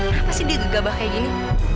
kenapa sih dia gegabah kayak gini